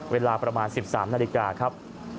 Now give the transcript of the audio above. เวลาประมาณ๑๓นาฬิกาครับ